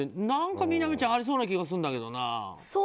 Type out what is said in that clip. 何かみなみちゃんありそうな気がするんだけどな。